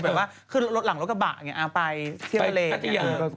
แบบว่าขึ้นรถหลังรถกระบะอย่างนี้ไปเที่ยวทะเลพัทยา